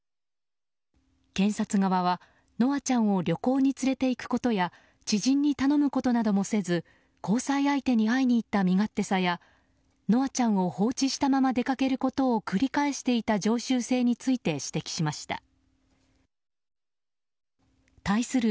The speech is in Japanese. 検察側は、稀華ちゃんを旅行に連れていくことや知人に頼むことなどもせず交際相手に会いに行った身勝手さや稀華ちゃんを放置したまま出かけることを繰り返していた常習性について指摘しました。